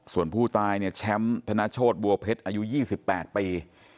ส่วนผู้ตายเนี่ยแชมป์ธนโชธบัวเพชรอายุ๒๘ปี